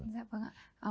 dạ vâng ạ